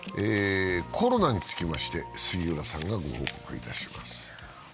コロナにつきまして、杉浦さんがご報告いたします。